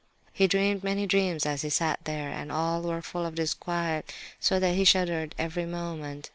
He dreamed many dreams as he sat there, and all were full of disquiet, so that he shuddered every moment.